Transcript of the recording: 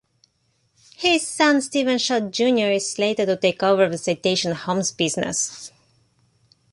His son Stephen Schott Junior is slated to take over the Citation Homes business.